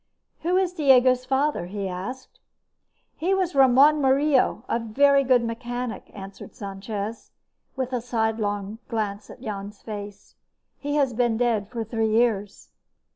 "Who is Diego's father?" he asked. "He was Ramón Murillo, a very good mechanic," answered Sanchez, with a sliding sidelong glance at Jan's face. "He has been dead for three years."